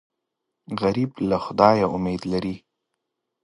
غریب له خدایه امید لري